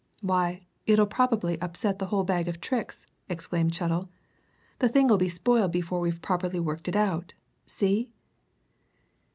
"Why, it'll probably upset the whole bag of tricks!" exclaimed Chettle. "The thing'll be spoiled before we've properly worked it out. See?"